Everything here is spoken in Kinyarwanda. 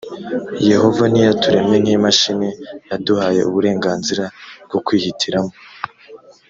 yehova ntiyaturemye nk imashini yaduhaye uburenganzira bwo kwihitiramo